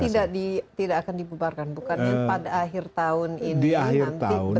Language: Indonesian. ini tidak akan dibubarkan bukan yang pada akhir tahun ini